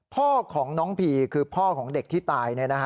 พ่อของน้องพีคือพ่อของเด็กที่ตาย